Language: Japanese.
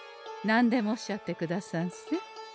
何でもおっしゃってくださんせ。